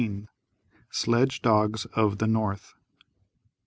SLEDGE DOGS OF THE NORTH.